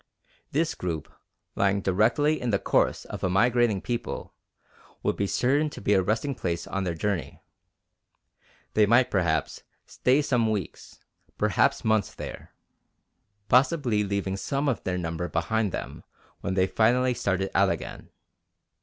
This group, lying directly in the course of a migrating people, would be certain to be a resting place on their journey. They might, perhaps, stay some weeks, perhaps months there, possibly leaving some of their number behind them when they finally started out again.